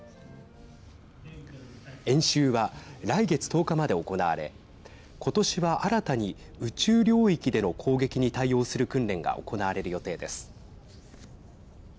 演習は来月１０日まで行われ今年は新たに宇宙領域での攻撃に対応する訓練が行われる予定です。